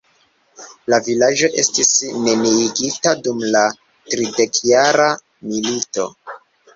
La vilaĝo estis neniigita dum la tridekjara milito.